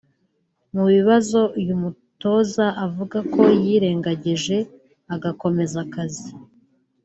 Mu bibazo uyu mutoza avuga ko yirengagije agakomeza akazi